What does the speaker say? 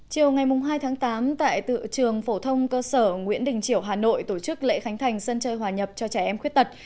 chiều ngày hai tháng tám tại tự trường phổ thông cơ sở nguyễn đình chiểu hà nội tổ chức lễ khánh thành sân chơi hòa nhập cho trẻ em khuyết tật